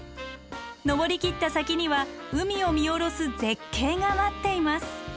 登りきった先には海を見下ろす絶景が待っています。